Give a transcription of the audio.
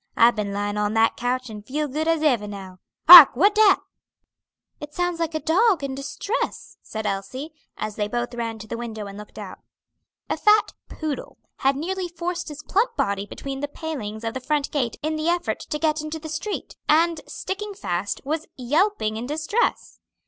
I've been lying on that coach, and feel good as ever now. Hark! what dat?" "It sounds like a dog in distress," said Elsie, as they both ran to the window and looked out. A fat poodle had nearly forced his plump body between the palings of the front gate in the effort to get into the street, and sticking fast, was yelping in distress.